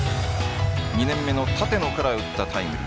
２年目の立野から打ったタイムリー。